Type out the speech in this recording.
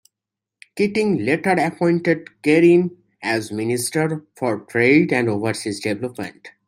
Keating later appointed Kerin as Minister for Trade and Overseas Development.